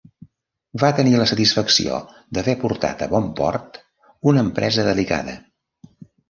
Va tenir la satisfacció d'haver portat a bon port una empresa delicada.